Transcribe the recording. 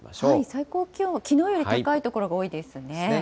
最高気温はきのうより高い所が多いですね。